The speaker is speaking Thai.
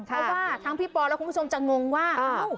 เพราะว่าพี่ปอนด์และคุณผู้ชมจะงงว่า